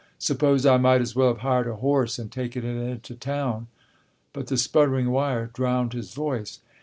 "Suppose I might as well have hired a horse and taken it into town." But the sputtering wire drowned his voice.